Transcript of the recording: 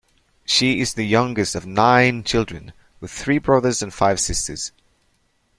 She is the youngest of nine children, with three brothers and five sisters.